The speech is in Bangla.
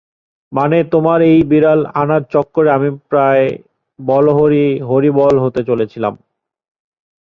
মানে তোমার এই বিড়াল আনার চক্করে আমি প্রায় বলো হরি হরিবোল হতে চলেছিলাম?